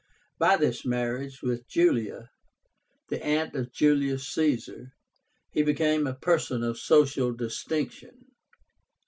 By this marriage with Julia, the aunt of Julius Caesar, he became a person of social distinction.